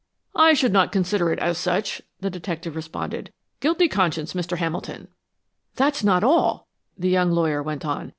"I should not consider it as such," the detective responded. "Guilty conscience, Mr. Hamilton!" "That's not all!" the young lawyer went on.